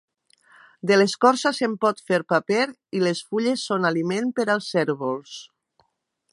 De l'escorça se'n pot fer paper i les fulles són aliment per als cérvols.